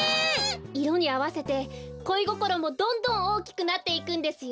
いろにあわせてこいごころもどんどんおおきくなっていくんですよ。